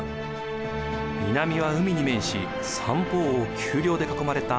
南は海に面し三方を丘陵で囲まれた